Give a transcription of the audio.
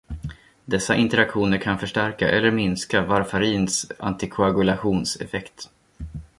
Dessa interaktioner kan förstärka eller minska warfarins antikoagulationseffekt.